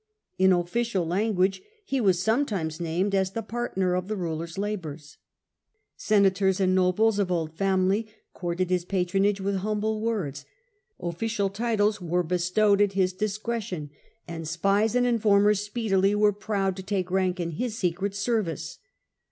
In official language he was sometimes named as the partner of the ruler's labours ; senators and nobles of old family courted his patronage with humble words ; official titles were bestowed at his discretion, and spies and 6o K.D. 14 37. The Earlier Empire. informers speedily were proud to take rank in his secret service.